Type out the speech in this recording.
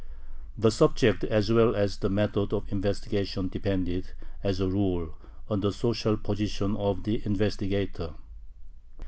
The subject as well as the method of investigation depended, as a rule, on the social position of the investigator.